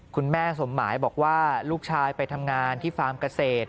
คุณแม่สมหมายบอกว่าลูกชายไปทำงานที่ฟาร์มเกษตร